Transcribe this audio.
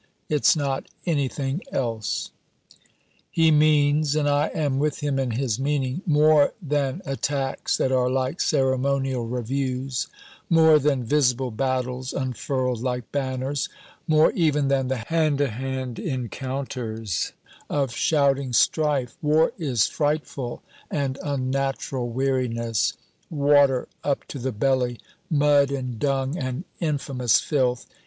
It's not anything else." He means and I am with him in his meaning "More than attacks that are like ceremonial reviews, more than visible battles unfurled like banners, more even than the hand to hand encounters of shouting strife, War is frightful and unnatural weariness, water up to the belly, mud and dung and infamous filth.